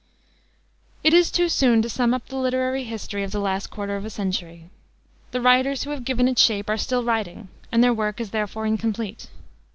It is too soon to sum up the literary history of the last quarter of a century. The writers who have given it shape are still writing, and their work is therefore incomplete.